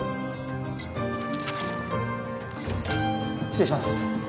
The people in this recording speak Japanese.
・・失礼します。